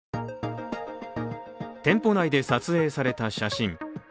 店舗内で撮影された写真。